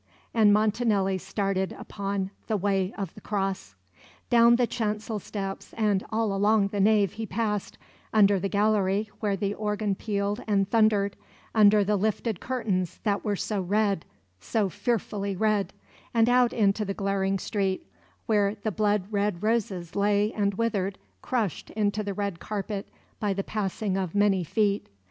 and Montanelli started upon the Way of the Cross. Down the chancel steps and all along the nave he passed; under the gallery where the organ pealed and thundered; under the lifted curtains that were so red so fearfully red; and out into the glaring street, where the blood red roses lay and withered, crushed into the red carpet by the passing of many feet.